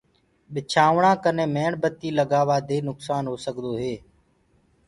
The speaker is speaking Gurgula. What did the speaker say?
ٻِچآوڻآ ڪني ميڻ بتي لگآوآ دي نڪسآن هو سڪدو هي۔